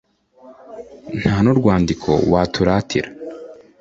Nta n'urwandiko waturatiye